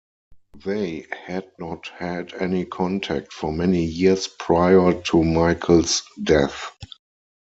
They had not had any contact for many years prior to Michael's death.